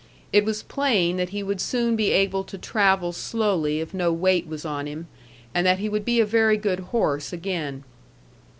It was plain that he would soon be able to travel slowly if no weight was on him, and that he would be a very good horse again.